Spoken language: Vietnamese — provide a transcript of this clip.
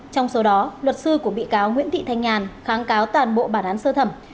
trong số đó luật sư của bị cáo nguyễn thị thanh nhàn kháng cáo toàn bộ bản án sơ thẩm